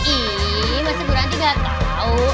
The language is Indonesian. ih masa gue nanti gak tau